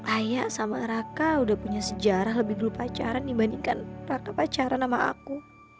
ayah sama raka sudah punya sejarah lebih dulu pacaran dibandingkan raka pacaran sama aku